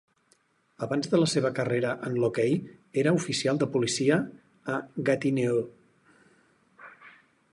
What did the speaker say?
Abans de la seva carrera en l'hoquei, era oficial de policia a Gatineau.